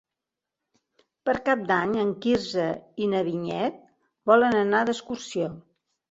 Per Cap d'Any en Quirze i na Vinyet volen anar d'excursió.